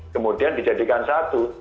kemudian dijadikan satu